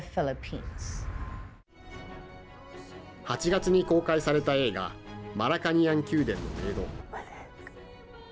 ８月に公開された映画マラカニアン宮殿のメイド。